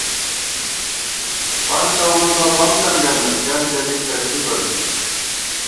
پل توون بہ بم تنگَمېت، گن چَلِک تہ تھِبہ می